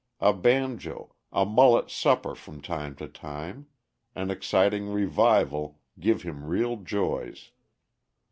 A banjo, a mullet supper from time to time, an exciting revival, give him real joys.